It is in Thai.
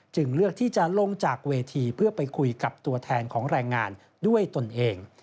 เลือกที่จะลงจากเวทีเพื่อไปคุยกับตัวแทนของแรงงานด้วยตนเอง